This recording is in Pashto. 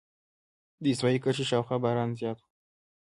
د استوایي کرښې شاوخوا باران زیات وي.